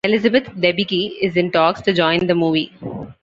Elizabeth Debicki is in talks to join the movie.